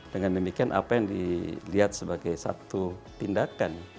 dengan demikian apa yang dilihat sebagai satu tindakan